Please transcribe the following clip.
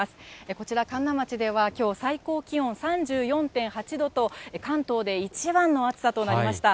こちら、神流町ではきょう、最高気温３４．８度と、関東で一番の暑さとなりました。